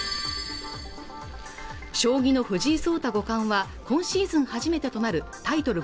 将棋の藤井聡太五冠は今シーズン初めてとなるタイトル